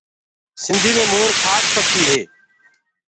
سنڌي مي مور کاس پکي هي۔